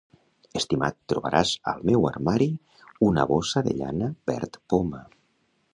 Estimat, trobaràs al meu armari una bossa de llana verd poma.